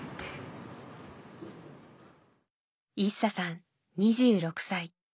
イッサさん２６歳。